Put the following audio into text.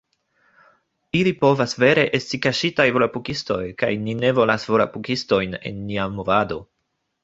Ili povas vere esti kaŝitaj volapukistoj kaj ni ne volas volapukistojn en nia movado